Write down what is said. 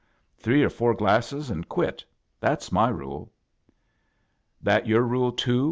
Three or four glasses and quit. That's my rule." " That your rule, too?"